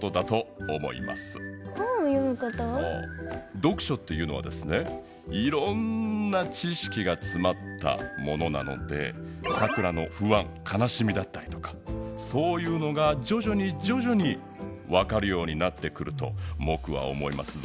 読書っていうのはですねいろんな知しきがつまったものなのでサクラの不安かなしみだったりとかそういうのがじょじょにじょじょにわかるようになってくるとモクは思いますぞ。